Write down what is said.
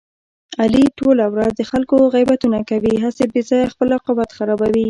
علي ټوله ورځ د خلکو غیبتونه کوي، هسې بې ځایه خپل عاقبت خرابوي.